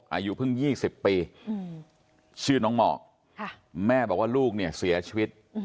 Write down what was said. อายุเพิ่ง๒๐ปีชื่อน้องเหมาะแม่บอกว่าลูกเนี่ยเสียชีวิต